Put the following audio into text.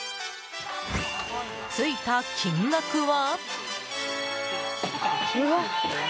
ついた金額は？